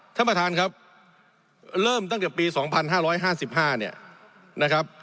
ท่านประธานครับเริ่มตั้งแต่ปี๒๕๕๕เนี่ยนะครับ